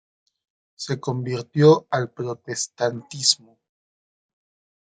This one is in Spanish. Se convirtió al Protestantismo.